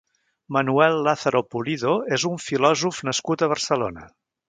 Manuel Lázaro Pulido és un filòsof nascut a Barcelona.